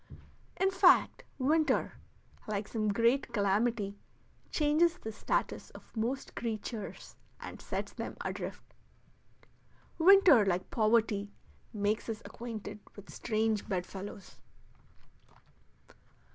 In fact, winter, like some great calamity, changes the status of most creatures and sets them adrift. Winter, like poverty, makes us acquainted with strange bedfellows.